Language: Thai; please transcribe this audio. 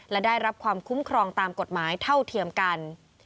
และได้รับความคุ้มครองตามกฎหมายเท่าเทียมกัน